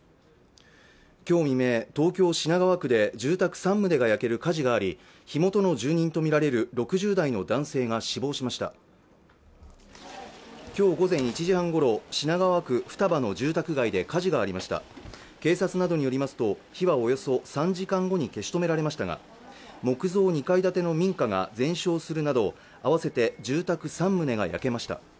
今日未明東京品川区で住宅三棟が焼ける火事があり火元の住人とみられる６０代の男性が死亡しました今日午前１時半ごろ品川区二葉の住宅街で火事がありました警察などによりますと火はおよそ３時間後に消し止められましたが木造２階建ての民家が全焼するなど合わせて住宅三棟が焼けました